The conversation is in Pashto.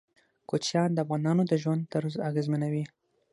کوچیان د افغانانو د ژوند طرز اغېزمنوي.